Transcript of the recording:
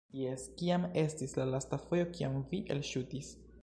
- Jes kiam estis la lasta fojo kiam vi elŝutis?